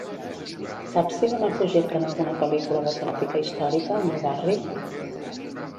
Saps si demà projecten alguna pel·lícula de temàtica històrica al meu barri?